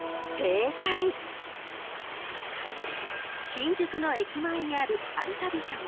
［新宿の駅前にあるアルタビジョン］